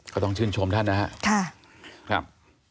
ก็ต้องชื่นชมท่านนะครับ